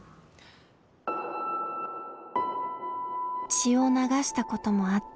血を流したこともあった。